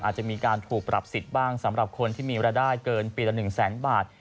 อาจจะมีการถูกปรับสิทธิ์บ้างสำหรับคนที่มีรายได้เกินปีละ๑แสนบาท